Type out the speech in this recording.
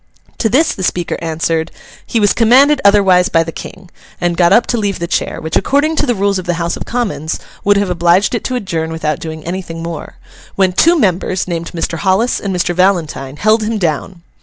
To this the Speaker answered, 'he was commanded otherwise by the King,' and got up to leave the chair—which, according to the rules of the House of Commons would have obliged it to adjourn without doing anything more—when two members, named Mr. Hollis and Mr. Valentine, held him down.